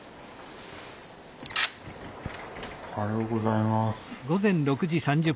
おはようございます。